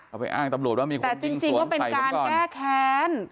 เอาไปอ้างตำรวจว่ามีความแต่จริงก็เป็นการแก้แค้น